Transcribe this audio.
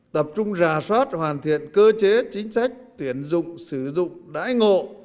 tập trung rà soát hoàn thiện cơ chế chính sách tuyển dụng sử dụng đãi ngộ